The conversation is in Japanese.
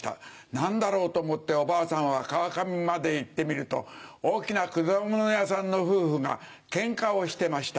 何だろう？と思っておばあさんは川上まで行ってみると大きな果物屋さんの夫婦がケンカをしてました。